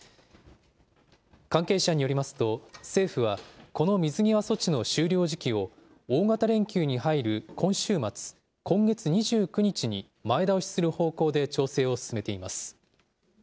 関係者によりますと、政府はこの水際措置の終了時期を大型連休に入る今週末、今月２９日に前倒しする方向で調整を進めています。